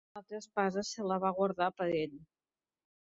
L'altra espasa se la va guardar per ell.